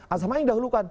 asas yang dahulukan